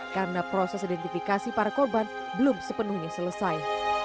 karena proses identifikasi para korban belum sepenuhnya selesai